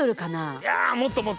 いやもっともっと。